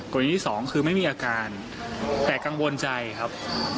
กรณีที่สองคือไม่มีอาการแต่กังวลใจครับ